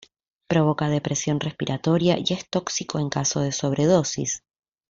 Provoca depresión respiratoria y es tóxico en caso de sobredosis.